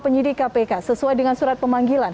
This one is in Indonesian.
penyidik kpk sesuai dengan surat pemanggilan